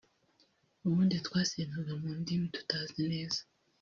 ubundi twasengaga mu ndimi tutazi neza